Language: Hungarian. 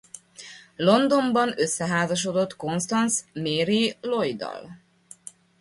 Londonban összeházasodott Constance Mary Lloyddal.